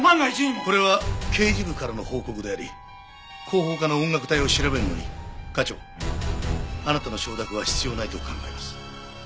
これは刑事部からの報告であり広報課の音楽隊を調べるのに課長あなたの承諾は必要ないと考えます。